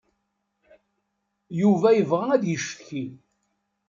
Yuba yebɣa ad yeccetki.